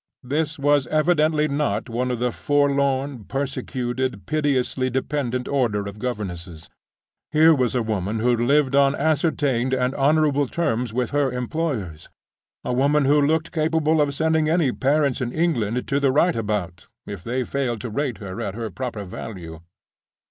This was evidently not one of the forlorn, persecuted, pitiably dependent order of governesses. Here was a woman who lived on ascertained and honorable terms with her employers—a woman who looked capable of sending any parents in England to the right about, if they failed to rate her at her proper value.